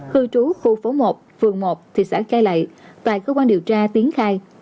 cư trú khu phố một phường một thị xã cai lậy tại cơ quan điều tra tiến khai